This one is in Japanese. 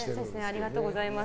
ありがとうございます。